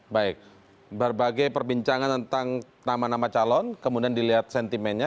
baik berbagai perbincangan tentang nama nama calon kemudian dilihat sentimennya